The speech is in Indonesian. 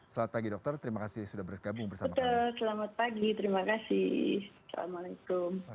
selamat pagi dokter terima kasih sudah bergabung bersama kami